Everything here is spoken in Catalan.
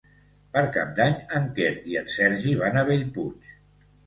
Per Cap d'Any en Quer i en Sergi van a Bellpuig.